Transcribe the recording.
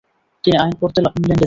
তিনি আইন পড়তে ইংল্যান্ড যান।